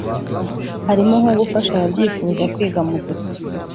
harimo nko gufasha ababyifuza kwiga muzika